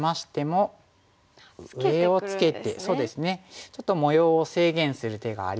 ちょっと模様を制限する手がありまして。